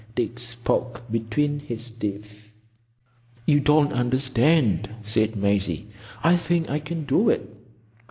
Dick spoke between his teeth. "You don't understand," said Maisie. "I think I can do it."